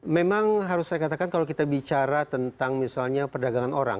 memang harus saya katakan kalau kita bicara tentang misalnya perdagangan orang